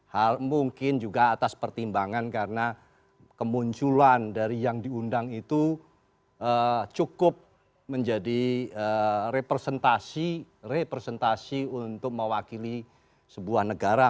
hal mungkin juga atas pertimbangan karena kemunculan dari yang diundang itu cukup menjadi representasi untuk mewakili sebuah negara